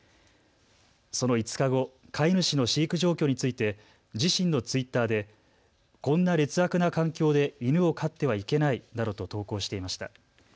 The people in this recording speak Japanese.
その５日後、飼い主の飼育状況について自身のツイッターでこんな劣悪な環境で犬を飼ってはいけないなどと投稿していました。